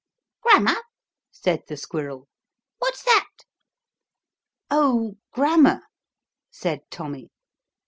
"Grammar," said the squirrel, "what's that?" "Oh, grammar," said Tommy.